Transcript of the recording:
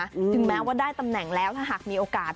ถึงแม้ว่าได้ตำแหน่งแล้วถ้าหากมีโอกาส